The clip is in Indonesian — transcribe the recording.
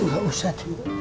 enggak usah cu